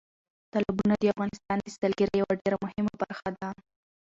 تالابونه د افغانستان د سیلګرۍ یوه ډېره مهمه برخه ده.